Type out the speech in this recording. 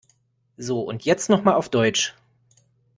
So und jetzt noch mal auf Deutsch.